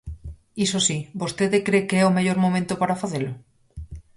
Iso si, ¿vostede cre que é o mellor momento para facelo?